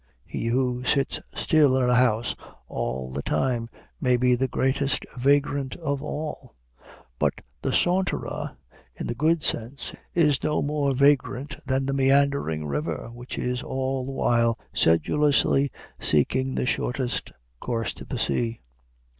He who sits still in a house all the time may be the greatest vagrant of all; but the saunterer, in the good sense, is no more vagrant than the meandering river, which is all the while sedulously seeking the shortest course to the sea.